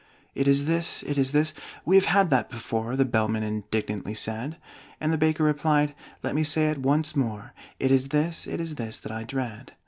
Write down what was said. "It is this, it is this" "We have had that before!" The Bellman indignantly said. And the Baker replied: "Let me say it once more; It is this, it is this that I dread!